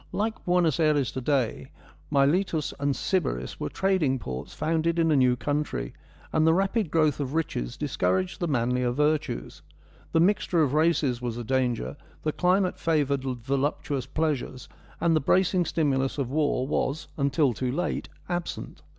Like Buenos Ayres to day, Miletus and Sybaris were trading ports founded in a new country, and the rapid growth of riches discouraged the manlier virtues. The mixture of races was a danger, the climate favoured voluptuous pleasures, and the bracing stimulus of war was, until too late, absent.